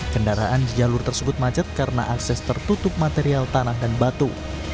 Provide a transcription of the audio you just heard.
kendaraan di jalur tersebut macet karena akses tertutup material tanah dan batu